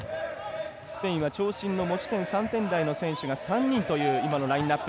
スペインは長身の持ち点３点台の選手という今のラインナップ。